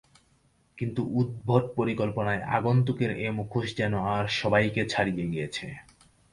কিন্তু উদ্ভট পরিকল্পনায় আগন্তুকের এ মুখোশ যেন আর সবাইকে ছাড়িয়ে গিয়েছে।